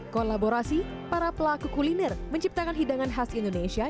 kolaborasi para pelaku kuliner menciptakan hidangan khas indonesia